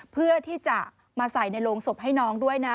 เพื่อที่จะมาใส่ในโรงศพให้น้องด้วยนะ